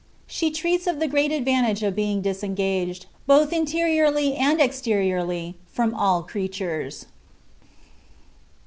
SHE TREATS OF THE GREAT ADVANTAGE OF BEING DISENGAGED, BOTH INTERIORLY AND EXTERIORLY, PROM ALL CREATURES.